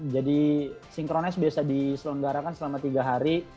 jadi synchronize biasa diselenggarakan selama tiga hari